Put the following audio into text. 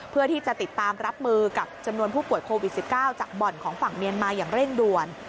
เพื่อที่จะติดตามรับมือกับจำนวนผู้ป่วยโควิด๑๙จากบ่อนของฝั่งเมียนมาอย่างเร่งด่วน